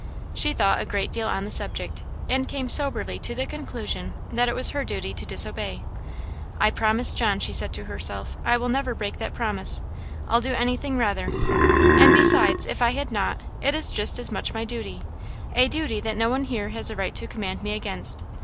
She thought a great deal on the subject, and came soberly to the conclusion that it was her duty to disobey. "I promised John," she said to herself; "I will never break that promise! I'll do anything rather. And besides, if I had not, it is just as much my duty, a duty that no one here has a right to command me against.